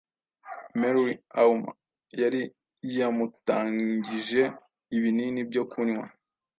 mary auma yari yamutangije ibinini byo kunywa